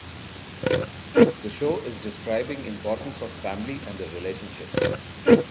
The show is describing importance of family and their relationships.